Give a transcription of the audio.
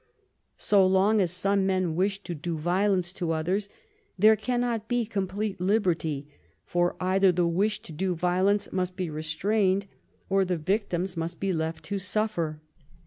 So long as some men wish to do violence to others, there cannot be complete liberty, for either the wish to do violence must be restrained, or the victims must be left to suffer.